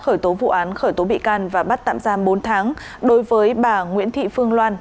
khởi tố vụ án khởi tố bị can và bắt tạm giam bốn tháng đối với bà nguyễn thị phương loan